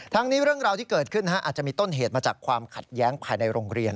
นี้เรื่องราวที่เกิดขึ้นอาจจะมีต้นเหตุมาจากความขัดแย้งภายในโรงเรียน